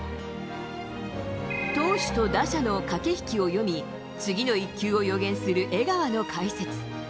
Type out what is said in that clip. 投手と打者の駆け引きを読み次の１球を予言する江川の解説。